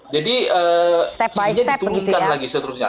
jadi ini diturunkan lagi seterusnya